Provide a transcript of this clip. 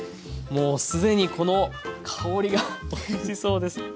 もうすでにこの香りがおいしそうです。